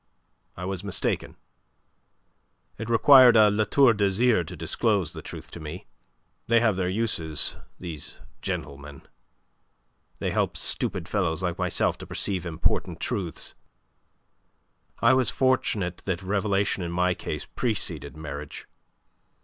I was mistaken. It required a La Tour d'Azyr to disclose the truth to me. They have their uses, these gentlemen. They help stupid fellows like myself to perceive important truths. I was fortunate that revelation in my case preceded marriage.